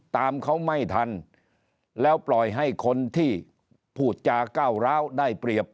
ตามเขาไม่ทันแล้วปล่อยให้คนที่พูดจาก้าวร้าวได้เปรียบ